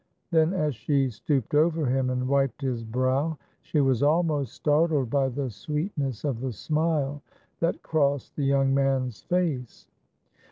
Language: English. Then as she stooped over him and wiped his brow, she was almost startled by the sweetness of the smile that crossed the young man's face.